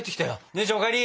姉ちゃんお帰り！